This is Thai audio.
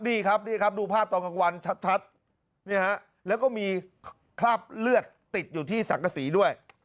นี่ครับนี่ครับดูภาพตอนกลางวันชัดแล้วก็มีคราบเลือดติดอยู่ที่สังกษีด้วย